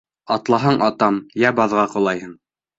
Атлаһаң атам, йә баҙға ҡолайһың.